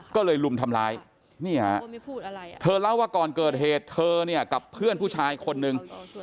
ก็เลยลุมทำร้ายนี่ฮะเธอเล่าว่าก่อนเกิดเหตุเธอเนี่ยกับเพื่อนผู้ชายคนนึง